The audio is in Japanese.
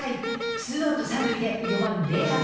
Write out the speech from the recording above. ツーアウト、三塁で４番レアード。